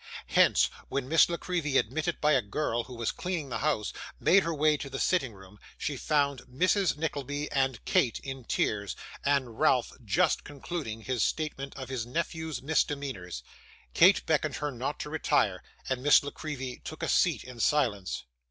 Hence, when Miss La Creevy, admitted by a girl who was cleaning the house, made her way to the sitting room, she found Mrs Nickleby and Kate in tears, and Ralph just concluding his statement of his nephew's misdemeanours. Kate beckoned her not to retire, and Miss La Creevy took a seat in silence.